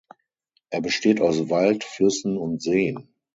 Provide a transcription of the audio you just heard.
Er besteht aus Wald, Flüssen und Seen.